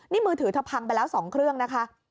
นี่มือถือเธอพังไปแล้ว๒เครื่องนะคะ